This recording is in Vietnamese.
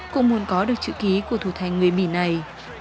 cũng muốn có được chữ ký của thủ thành người bỉ này